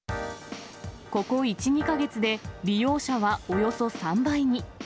ここ１、２か月で、利用者はおよそ３倍に。